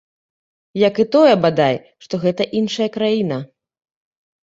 Як і тое, бадай, што гэта іншая краіна.